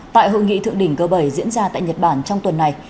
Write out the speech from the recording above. tại hội nghị thượng đỉnh g bảy diễn ra tại nhật bản trong tuần này